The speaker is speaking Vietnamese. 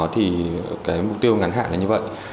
thì cái mục tiêu ngắn hạn là như vậy